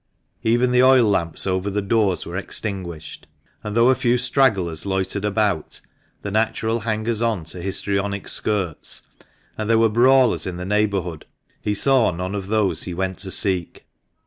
Even the oil 224 THE MANCHESTER MAN, lamps over the doors were extinguished ; and though a few stragglers loitered about — the natural hangers on to histrionic skirts — and there were brawlers in the neighbourhood, he saw none of those he went to seek.